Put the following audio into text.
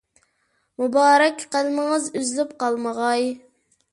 مۇبارەك قەلىمىڭىز ئۈزۈلۈپ قالمىغاي.